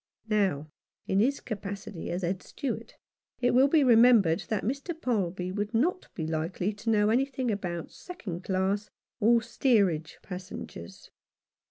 Now, in his capacity as Head Steward it will be remembered that Mr. Palby would not be likely to know anything about second class or steerage passengers.